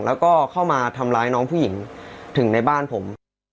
แล้วก็เข้ามาทำร้ายน้องผู้หญิงถึงในบ้านผม